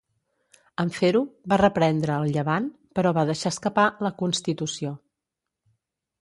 En fer-ho, va reprendre el "Llevant", però va deixar escapar la "Constitució".